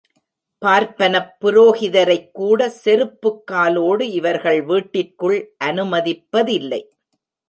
பார்ப்பனப் புரோகிதரைக்கூட, செருப்புக் காலோடு இவர்கள் வீட்டிற்குள் அனுமதிப்பதில்லை.